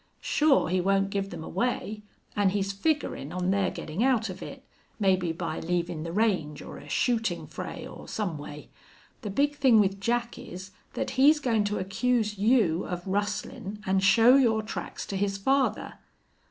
Sure, he won't give them away, an' he's figurin' on their gettin' out of it, maybe by leavin' the range, or a shootin' fray, or some way. The big thing with Jack is that he's goin' to accuse you of rustlin' an' show your tracks to his father.